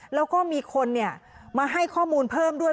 แล้วก็มีคนมาให้ข้อมูลเพิ่มด้วย